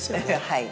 はい。